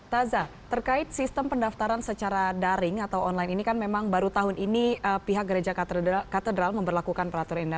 taza terkait sistem pendaftaran secara daring atau online ini kan memang baru tahun ini pihak gereja katedral memperlakukan peraturan ini